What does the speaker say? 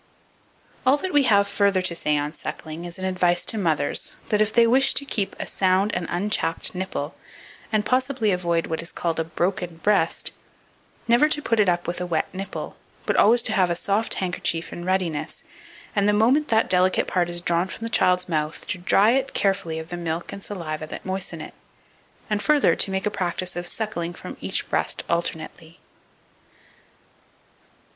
2490. All that we have further to say on suckling is an advice to mothers, that if they wish to keep a sound and unchapped nipple, and possibly avoid what is called a "broken breast," never to put it up with a wet nipple, but always to have a soft handkerchief in readiness, and the moment that delicate part is drawn from the child's mouth, to dry it carefully of the milk and saliva that moisten it; and, further, to make a practice of suckling from each breast alternately.